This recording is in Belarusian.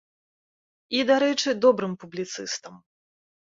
І, дарэчы, добрым публіцыстам.